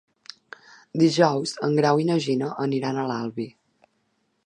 Dijous en Grau i na Gina aniran a l'Albi.